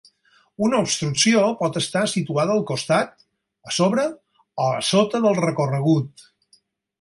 Una obstrucció pot estar situada al costat, a sobre o sota del recorregut.